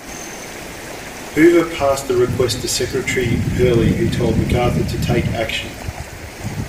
Hoover passed the request to Secretary Hurley who told MacArthur to take action.